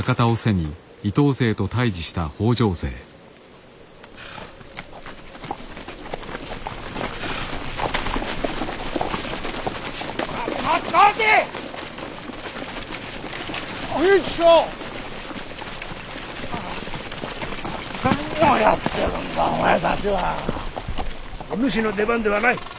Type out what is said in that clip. おぬしの出番ではない。